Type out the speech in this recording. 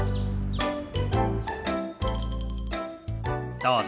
どうぞ。